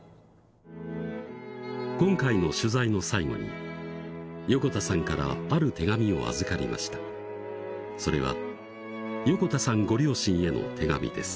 今回の取材の最後に横田さんからある手紙を預かりましたそれは横田さんご両親への手紙です